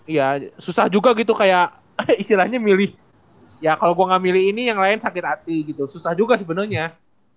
iya susah juga gitu kayak hehehe istilahnya milih ya kalo gua nggak milih ini yang lain sakit hati gitu susah juga gitu ya soalnya ya